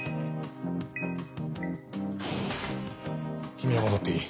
君は戻っていい。